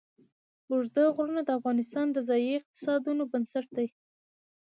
اوږده غرونه د افغانستان د ځایي اقتصادونو بنسټ دی.